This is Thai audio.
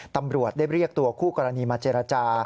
ตำรวจได้เรียกตัวคู่กรณีมาเจรจา